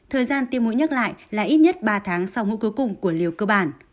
thời gian tiêm mũi nhắc lại là ít nhất ba tháng sau mũi cuối cùng của liều cơ bản